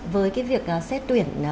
với cái việc xét tuyển